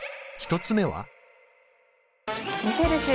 １つ目は？